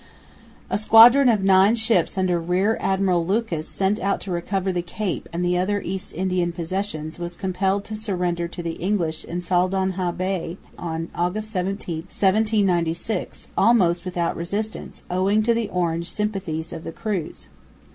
A squadron of nine ships under Rear Admiral Lucas, sent out to recover the Cape and the other East Indian possessions, was compelled to surrender to the English in Saldanha Bay on August 17, 1796, almost without resistance, owing to the Orange sympathies of the crews.